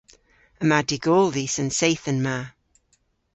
Yma dy'gol dhis an seythen ma.